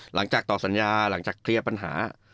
หลังจากต่อสัญญาหลังจากเคลียร์ปัญหา